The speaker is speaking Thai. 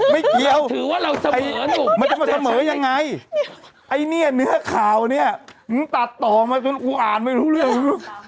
ไม่เกี่ยวมันจะมาเสมอยังไงไอ้เนี่ยเนื้อข่าวเนี่ยตัดต่อมาจนกูอ่านไม่รู้เรื่อง